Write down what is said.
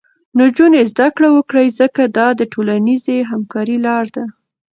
نجونې زده کړه وکړي، ځکه دا د ټولنیزې همکارۍ لاره ده.